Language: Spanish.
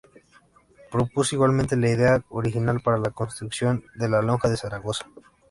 Propuso igualmente la idea original para la construcción de la Lonja de Zaragoza.